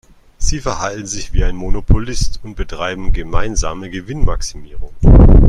Sie verhalten sich wie ein Monopolist und betreiben gemeinsame Gewinnmaximierung.